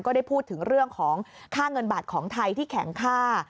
ได้พูดถึงเรื่องของค่าเงินบาทของไทยที่แข็งค่า